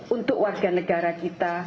untuk warga negara kita